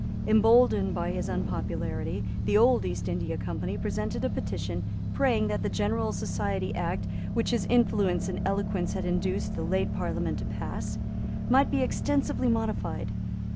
Emboldened by his unpopularity, the Old East India Company presented a petition praying that the General Society Act, which his influence and eloquence had induced the late Parliament to pass, might be extensively modified.